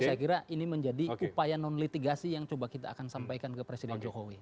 saya kira ini menjadi upaya non litigasi yang coba kita akan sampaikan ke presiden jokowi